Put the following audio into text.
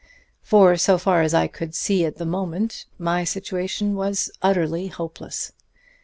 For, so far as I could see at the moment, my situation was utterly hopeless.